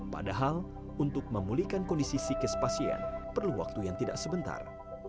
padahal untuk memulihkan kondisi psikis pasien perlu waktu yang tidak sebentar